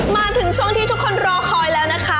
มาถึงช่วงที่ทุกคนรอคอยแล้วนะคะ